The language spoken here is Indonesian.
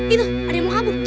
itu ada yang mau hapuk